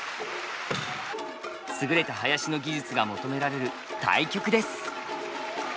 優れた囃子の技術が求められる大曲です。